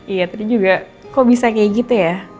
iya tadi juga kok bisa kayak gitu ya